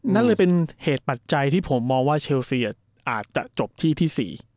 นั่นเลยเป็นเหตุปัจจัยที่ผมมองว่าเชลเซียอาจจะจบที่ที่๔